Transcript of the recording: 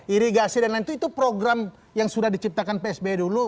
irigasi dan lain itu program yang sudah diciptakan psb dulu